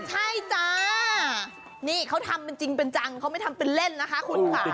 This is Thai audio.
ใช่จ้านี่เขาทำเป็นจริงเป็นจังเขาไม่ทำเป็นเล่นนะคะคุณค่ะ